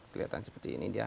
kelihatan seperti ini dia